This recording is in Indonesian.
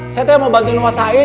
saya tuh yang mau bantuin wasain